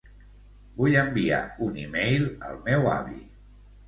Vull enviar un e-mail al meu avi.